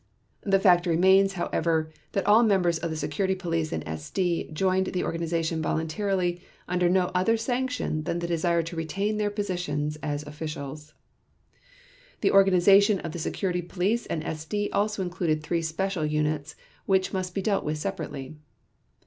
The fact remains, however, that all members of the Security Police and SD joined the organization voluntarily under no other sanction than the desire to retain their positions as officials. The organization of the Security Police and SD also included three special units which must be dealt with separately.